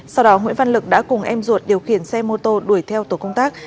sau đó nguyễn văn lực đã cùng em ruột điều khiển xe mô tô đuổi theo tổ công tác